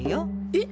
えっ